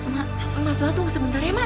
ma mas suha tuh sebentar ya ma